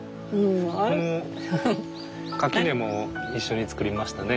その垣根も一緒に作りましたね。